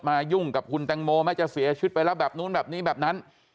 ยุ่งกับคุณแตงโมแม้จะเสียชีวิตไปแล้วแบบนู้นแบบนี้แบบนั้น